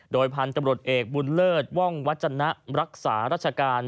โดยพันธุ์ตำรวจเอกบุญเลิศว่องวัฒนะรักษาราชการ